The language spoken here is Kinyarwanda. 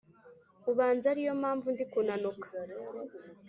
Ubanza ariyo mpamvu ndi kunanuka